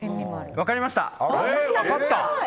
分かりました！